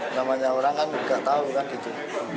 namanya orang kan juga tahu kan gitu